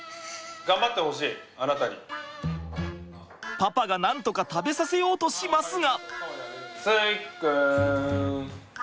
パパがなんとか食べさせようとしますが。